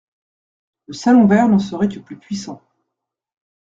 Le salon vert n'en serait que plus puissant.